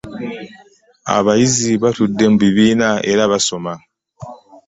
Abayizi batudde mu bibiina era basoma.